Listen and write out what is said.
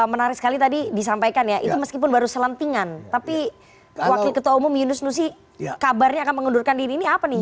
menarik sekali tadi disampaikan ya itu meskipun baru selentingan tapi wakil ketua umum yunus nusi kabarnya akan mengundurkan diri ini apa nih